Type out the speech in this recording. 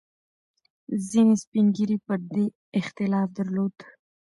ځینې سپین ږیري پر دې اختلاف درلود.